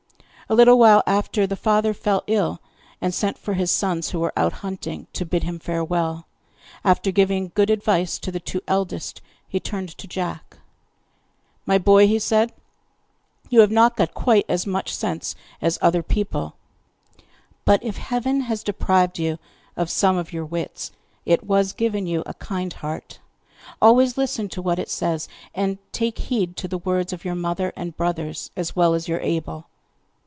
A little while after, the father fell ill, and sent for his sons, who were out hunting, to bid him farewell. After giving good advice to the two eldest, he turned to Jack. 'My boy,' he said, 'you have not got quite as much sense as other people, but if Heaven has deprived you of some of your wits, it was given you a kind heart. Always listen to what it says, and take heed to the words of your mother and brothers, as well as you are able!